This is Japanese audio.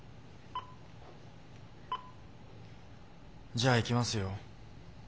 じゃあいきますよ。